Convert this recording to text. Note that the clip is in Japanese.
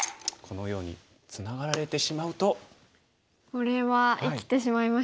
これは生きてしまいましたね。